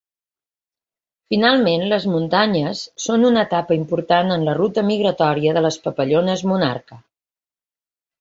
Finalment, les muntanyes són una etapa important en la ruta migratòria de les papallones monarca.